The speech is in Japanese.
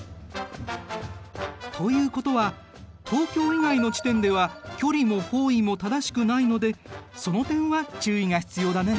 ということは東京以外の地点では距離も方位も正しくないのでその点は注意が必要だね。